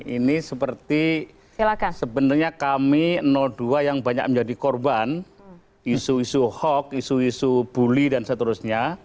ini seperti sebenarnya kami dua yang banyak menjadi korban